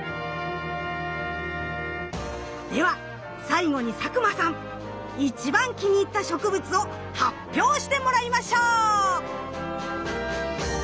では最後に佐久間さん一番気に入った植物を発表してもらいましょう！